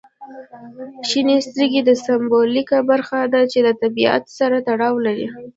شنې سترګې د سمبولیکه برخه ده چې د طبیعت سره تړاو لري.